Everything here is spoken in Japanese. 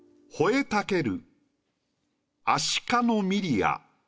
「吠えたけるアシカのミリア